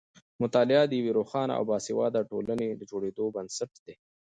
مطالعه د یوې روښانه او باسواده ټولنې د جوړېدو بنسټ دی.